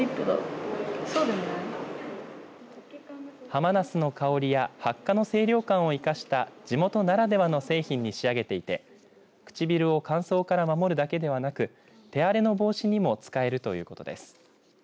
ハマナスの香りやハッカの清涼感を生かした地元ならではの製品に仕上げていて唇を乾燥から守るだけではなく手荒れの防止にも使えるということです。